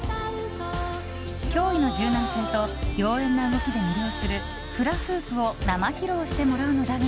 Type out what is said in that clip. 驚異の柔軟性と妖艶な動きで魅了するフラフープを生披露してもらうのだが。